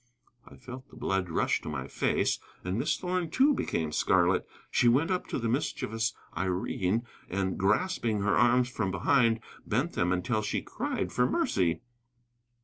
I felt the blood rush to my face, and Miss Thorn, too, became scarlet. She went up to the mischievous Irene and grasping her arms from behind, bent them until she cried for mercy.